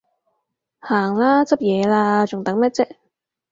行啦，執嘢喇，仲等咩啫？